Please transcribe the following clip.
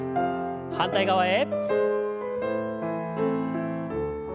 反対側へ。